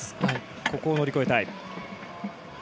ここを乗り越えたい。